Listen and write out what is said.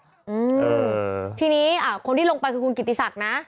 อืมทีนี้อ่าคนที่ลงไปคือคุณกิติศักดิ์นะ